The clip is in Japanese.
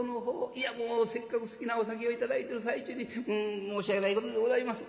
いやもうせっかく好きなお酒を頂いてる最中に申し訳ないことでございます」。